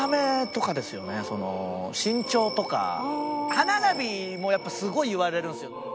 歯並びもやっぱすごい言われるんですよ。